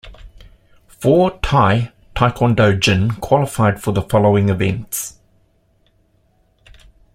Four Thai taekwondo jin qualified for the following events.